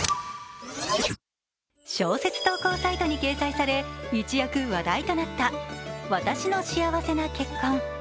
小説投稿サイトに掲載され、一躍話題となった「わたしの幸せな結婚」。